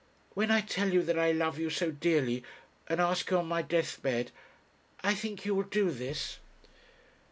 When I tell you that I love you so dearly, and ask you on my deathbed, I think you will do this.'